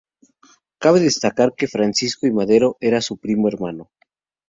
Cabe a destacar que Francisco I. Madero era su primo hermano.